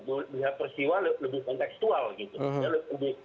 melihat peristiwa lebih konteksual gitu